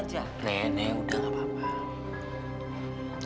aja nenek udah gak apa apa